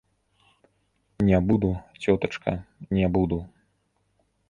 Не буду, цётачка, не буду.